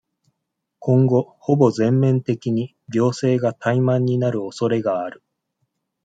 今後、ほぼ全面的に、行政が怠慢になる恐れがある。